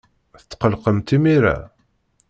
Tetqellqemt imir-a?